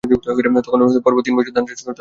তখন থেকে পরপর তিন বছর ধান চাষ করে তাঁর লোকসান হয়।